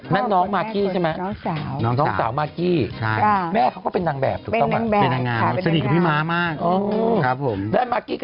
นั่นน้องมาร์กี้ใช่ไหมน้องสาว